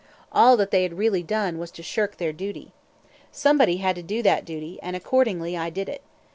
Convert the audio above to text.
All that they had really done was to shirk their duty. Somebody had to do that duty, and accordingly I did it.